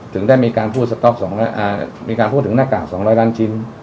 ถึงได้มีการพูดถึงหน้ากาก๒๐๐ล้านชิ้น